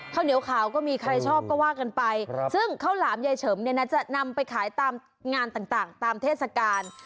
ข้าวเหนียวขาวก็มีใครชอบก็ว่ากันไปซึ่งข้าวหลามยายเฉิมเนี่ยนะจะนำไปขายตามงานต่างตามเทศกาล